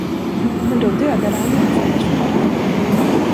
Men då dödade han ju den stackars flickan.